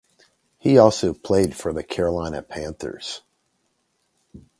He also played for the Carolina Panthers.